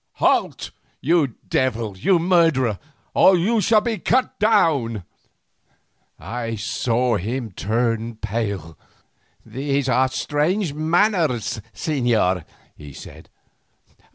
"Halt, you devil, you murderer, or you shall be cut down." I saw him start and turn pale. "These are strange manners, señor," he said.